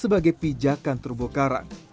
sebagai pijakan terumbu karang